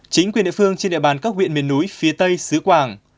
chính quyền địa phương trên địa bàn các huyện miền núi phía tây xứ quảng